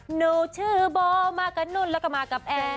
หนูชื่อโบมากระนุ่นแล้วก็มากับแอร์